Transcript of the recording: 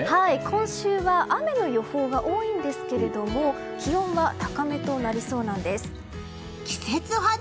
今週は雨の予報が多いんですが気温は高めとなりそうなんです。